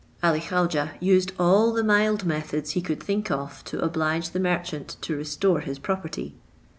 Ali Khaujeh used all the mild methods he could think of to oblige the merchant to restore his property.